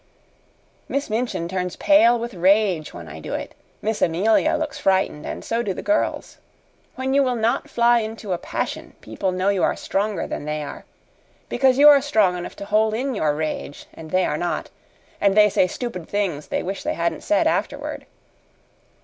Miss Minchin turns pale with rage when I do it, Miss Amelia looks frightened, and so do the girls. When you will not fly into a passion people know you are stronger than they are, because you are strong enough to hold in your rage, and they are not, and they say stupid things they wish they hadn't said afterward.